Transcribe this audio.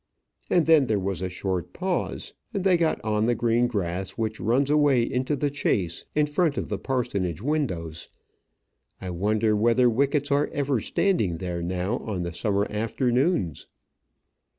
And then there was a short pause, and they got on the green grass which runs away into the chase in front of the parsonage windows. I wonder whether wickets are ever standing there now on the summer afternoons!